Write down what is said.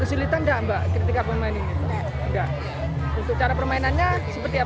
butuh berapa hari mas latihan